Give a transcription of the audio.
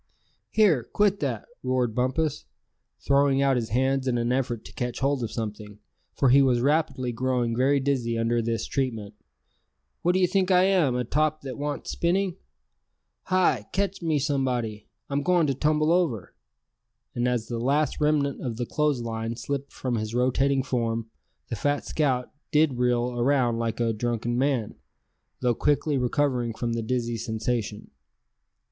"Here, quit that!" roared Bumpus, throwing out his hands in an effort to catch hold of something, for he was rapidly growing very dizzy under this treatment; "what d'ye think I am, a top that wants spinning? Hi! ketch me somebody, I'm going to tumble over!" and as the last remnant of the clothes line slipped from his rotating form, the fat scout did reel around like a drunken man, though quickly recovering from the dizzy sensation.